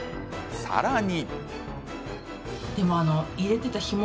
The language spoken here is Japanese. さらに。